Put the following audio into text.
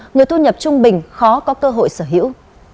người thu nhập trung bình khó có cơ hội sở hữu